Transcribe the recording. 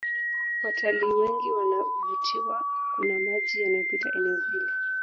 Watalii wengi wanavutiwa kuna maji yanapita eneo hili